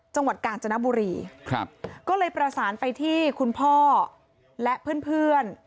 จังหวัดกาญจนบุรีครับก็เลยประสานไปที่คุณพ่อและเพื่อนเพื่อน